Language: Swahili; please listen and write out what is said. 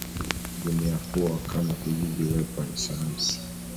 dunia kuwa kama kijiji uwepo wa sayansi